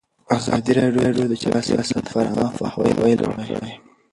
ازادي راډیو د چاپیریال ساتنه لپاره عامه پوهاوي لوړ کړی.